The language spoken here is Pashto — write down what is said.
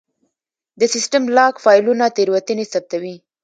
د سیسټم لاګ فایلونه تېروتنې ثبتوي.